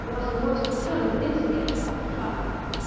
was the most determined instigator of the trial.